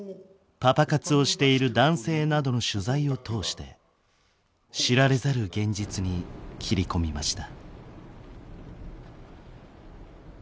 パパ活をしている男性などの取材を通して知られざる現実に切り込みました。